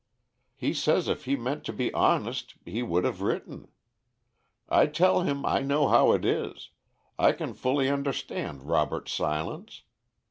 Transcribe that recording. He says if he meant to be honest he would have written. I tell him I know how it is. I can fully understand Robert's silence.